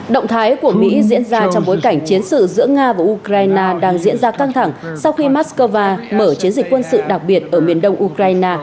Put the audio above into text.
động thái của mỹ diễn ra trong bối cảnh chiến sự giữa nga và ukraine đang diễn ra căng thẳng sau khi moscow mở chiến dịch quân sự đặc biệt ở miền đông ukraine